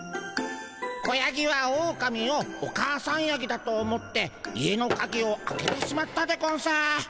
子ヤギはオオカミをお母さんヤギだと思って家のカギを開けてしまったでゴンス。